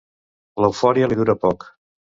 L'eufòria li dura poc.